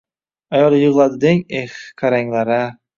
…Ayol yig’ladi deng. Eh, qaranglar-a